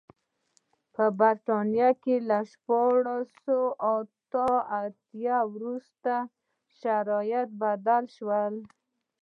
په برېټانیا کې له شپاړس سوه اته اتیا وروسته شرایط بدل شول.